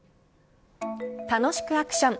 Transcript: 楽しくアクション！